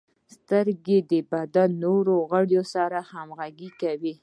• سترګې د بدن نورو غړو سره همغږي کوي.